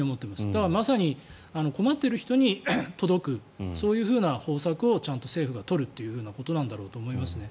だから、まさに困っている人に届くそういうふうな方策をちゃんと政府が取るということだと思いますね。